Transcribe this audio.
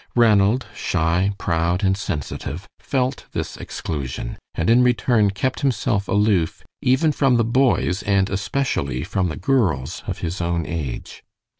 Ranald, shy, proud, and sensitive, felt this exclusion, and in return kept himself aloof even from the boys, and especially from the girls, of his own age.